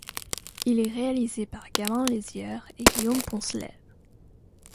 Il est réalisé par Gabin Lesieur et Guillaume Poncelet.